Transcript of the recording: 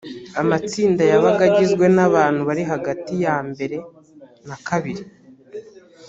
amatsinda yabaga agizwe n abantu bari hagati ya mbere na kabiri